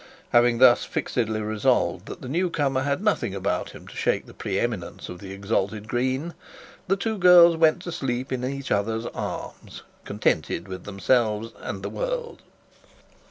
Having thus fixedly resolved that the new comer had nothing about him to shake the pre eminence of the exalted Green, the two girls went to sleep in each other's arms, contented with themselves and the world.